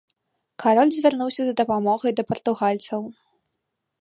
Кароль звярнуўся за дапамогай да партугальцаў.